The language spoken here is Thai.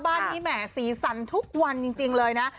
บ้านนี้แหมสีสันทุกวันจริงเลยนะ